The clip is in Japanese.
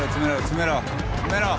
詰めろ！